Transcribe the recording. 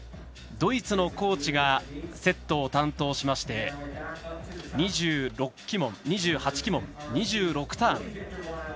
ドイツのコーチがセットを担当しまして２８旗門、２６ターン。